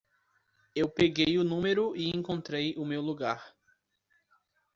Eu peguei o número e encontrei o meu lugar.